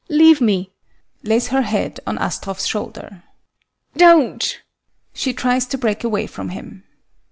Leave me, [lays her head on ASTROFF'S shoulder] Don't! [She tries to break away from him.